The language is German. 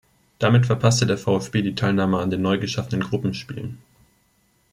Damit verpasste der VfB die Teilnahme an den neu geschaffenen Gruppenspielen.